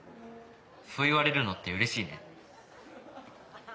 そう言われるのって嬉しいね。